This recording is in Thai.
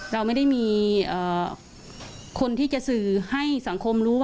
เราไม่ได้มีคนที่จะสื่อให้สังคมรู้